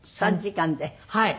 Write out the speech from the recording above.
はい。